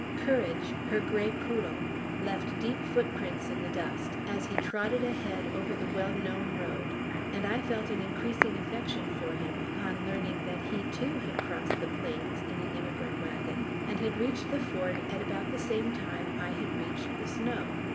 "Courage," her gray poodle, left deep footprints in the dust, as he trotted ahead over the well known road, and I felt an increasing affection for him upon learning that he, too, had crossed the plains in an emigrant wagon and had reached the Fort at about the same time I had reached the snow.